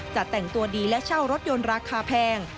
จะแต่งตัวดีและเช่ารถยนต์ราคาแพง